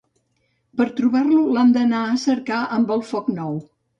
Per trobar-lo l'han d'anar a cercar amb el foc nou.